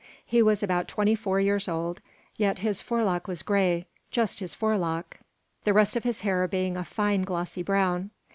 He was about twenty four years old, yet his forelock was gray, just his forelock, the rest of his hair being a fine, glossy brown.